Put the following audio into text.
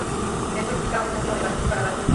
Esto implica un uso de barniz para dar brillo.